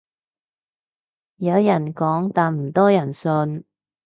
有人講但唔多人信